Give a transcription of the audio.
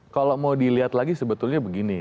kalau mau dilihat lagi sebetulnya begini